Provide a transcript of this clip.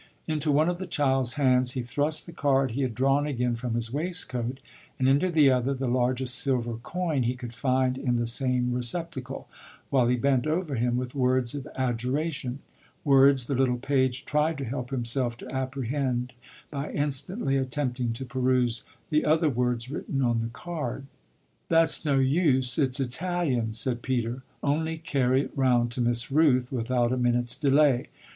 Into one of the child's hands he thrust the card he had drawn again from his waistcoat and into the other the largest silver coin he could find in the same receptacle, while he bent over him with words of adjuration words the little page tried to help himself to apprehend by instantly attempting to peruse the other words written on the card. "That's no use it's Italian," said Peter; "only carry it round to Miss Rooth without a minute's delay.